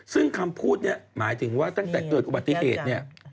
ซึ่งคำพูดเนี่ยหมายถึงว่าตั้งแต่เกิดอุบัติเหตุเนี่ย